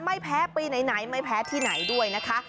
ไม่แพ้ปีไหนไม่แพ้ที่ไหนด้วยนะคะ